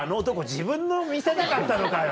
自分の見せたかったのかよ。